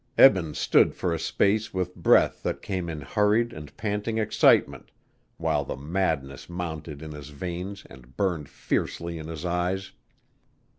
Eben stood for a space with breath that came in hurried and panting excitement while the madness mounted in his veins and burned fiercely in his eyes.